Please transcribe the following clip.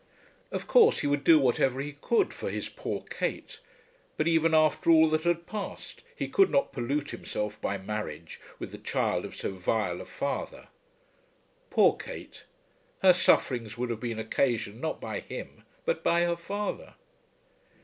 Of course he would do whatever he could for his dear Kate; but, even after all that had passed, he could not pollute himself by marriage with the child of so vile a father. Poor Kate! Her sufferings would have been occasioned not by him, but by her father.